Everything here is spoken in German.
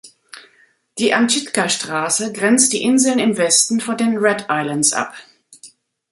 Die Amchitka-Straße grenzt die Inseln im Westen von den Rat Islands ab.